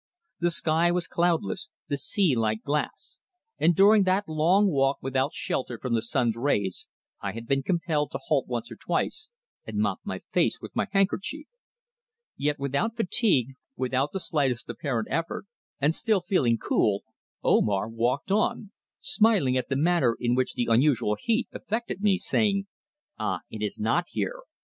The sky was cloudless, the sea like glass, and during that long walk without shelter from the sun's rays I had been compelled to halt once or twice and mop my face with my handkerchief. Yet without fatigue, without the slightest apparent effort, and still feeling cool, Omar walked on, smiling at the manner in which the unusual heat affected me, saying: "Ah! It is not hot here.